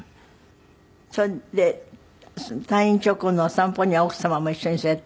それで退院直後のお散歩には奥様も一緒にそうやって。